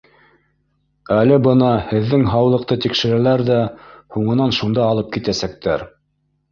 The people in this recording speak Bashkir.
Әле бына һеҙҙең һаулыҡты тикшерәләр ҙә, һуңынан шунда алып китәсәктәр.